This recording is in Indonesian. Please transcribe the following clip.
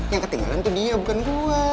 yang ketinggalan tuh dia bukan gua